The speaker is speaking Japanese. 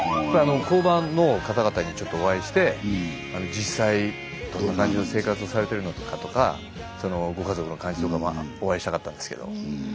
工場の方々にちょっとお会いして実際どんな感じの生活をされてるのかとかそのご家族の感じとかもお会いしたかったんですけど。